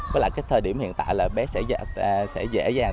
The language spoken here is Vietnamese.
với lại thời điểm hiện tại bé sẽ dễ dàng